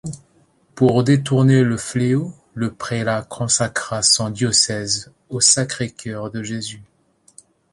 Pour détourner le fléau, le prélat consacra son diocèse au Sacré-Cœur de Jésus.